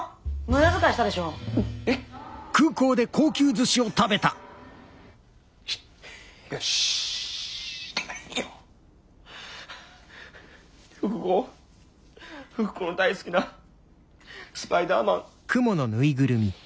福子福子の大好きなスパイダーマン。